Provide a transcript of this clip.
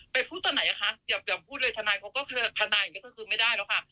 ไปพูดตอนไหนนะคะอย่าพูดเลยทนายก็คือไม่ได้นะคะ